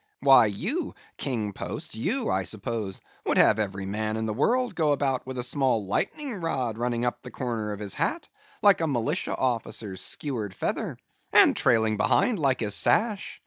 Why, you King Post, you, I suppose you would have every man in the world go about with a small lightning rod running up the corner of his hat, like a militia officer's skewered feather, and trailing behind like his sash.